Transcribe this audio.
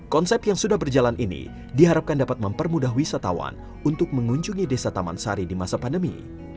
konsep yang sudah berjalan ini diharapkan dapat mempermudah wisatawan untuk mengunjungi desa taman sari di masa pandemi